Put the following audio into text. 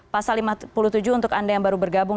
pasal lima puluh tujuh untuk anda yang baru bergabung